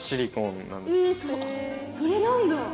それなんだ？